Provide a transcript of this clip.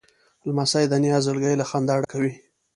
لمسی د نیا زړګی له خندا ډکوي.